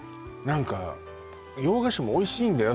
何か洋菓子もおいしいんだよ